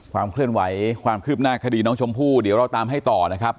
ความเคลื่อนไหวความคืบหน้าคดีน้องชมพู่เดี๋ยวเราตามให้ต่อนะครับ